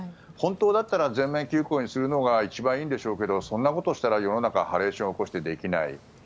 本当だったら全面休校にするのが一番いいんでしょうけどそんなことをしたら世の中ハレーションを起こしてできない。